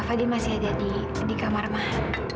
fadil masih ada di kamar mak